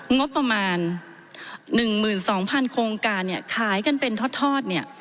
งบประมาณ๑๒๐๐๐โครงการเนี่ยขายกันเป็นทอดเนี่ย